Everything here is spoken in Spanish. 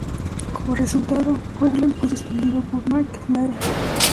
Como resultado, Coughlan fue suspendido por McLaren.